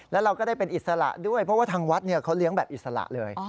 แล้วเราก็ได้เป็นอิสระด้วยเพราะว่าทางวัดเขาเลี้ยงแบบอิสระเลย